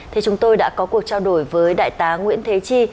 thì chúng tôi đã có cuộc trao đổi với đại tá nguyễn thế chi